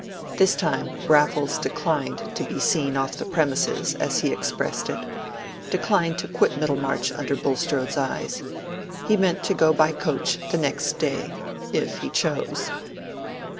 This time Raffles declined to be "seen off the premises," as he expressed it—declined to quit Middlemarch under Bulstrode's eyes. He meant to go by coach the next day—if he chose.